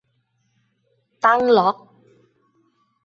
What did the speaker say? ตั้งล็อก